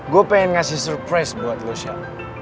gue pengen ngasih surprise buat lo sha